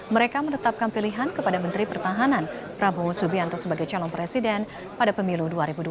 mereka menetapkan pilihan kepada menteri pertahanan prabowo subianto sebagai calon presiden pada pemilu dua ribu dua puluh